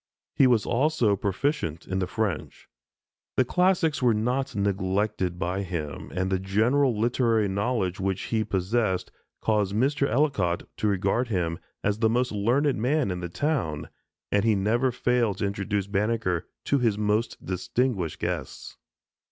He was also proficient in the French. The classics were not neglected by him, and the general literary knowledge which he possessed caused Mr. Ellicott to regard him as the most learned man in the town, and he never failed to introduce Banneker to his most distinguished guests.